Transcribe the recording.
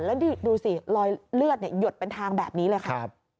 แล้วดูสิรอยเลือดหยดเป็นทางแบบนี้เลยค่ะ